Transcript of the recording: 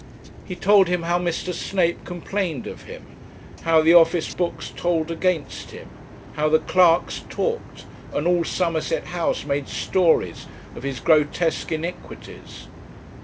He told him how Mr. Snape complained of him, how the office books told against him, how the clerks talked, and all Somerset House made stories of his grotesque iniquities.